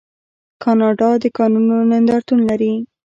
کاناډا د کانونو نندارتون لري.